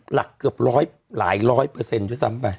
หลักเกือบ๑๐๐หรือซ้ำไป